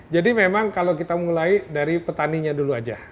jadi memang kalau kita mulai dari petaninya dulu saja